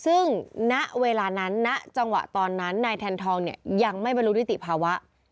ซึ่งณเวลานั้นณจังหวะตอนนั้นนายแทนทองเนี่ยยังไม่บรรลุนิติภาวะ